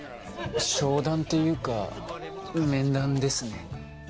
商談というか面談ですね。